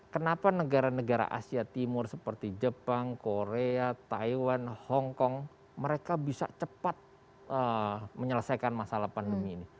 kenapa negara negara asia timur seperti jepang korea taiwan hongkong mereka bisa cepat menyelesaikan masalah pandemi ini